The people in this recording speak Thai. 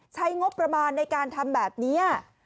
ใช้งบประมาณในการทำแบบนี้